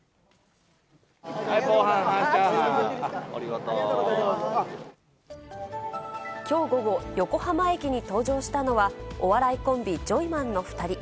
防犯、きょう午後、横浜駅に登場したのは、お笑いコンビ、ジョイマンの２人。